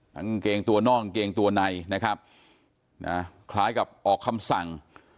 กางเกงตัวนอกกางเกงตัวในนะครับนะคล้ายกับออกคำสั่ง